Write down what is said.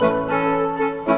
jangan men lego